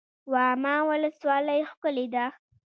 واما ولسوالۍ ښکلې ده؟